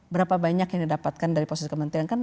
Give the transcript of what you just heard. berapa banyak yang didapatkan dari posisi kementerian kan